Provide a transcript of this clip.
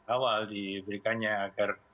awal diberikannya agar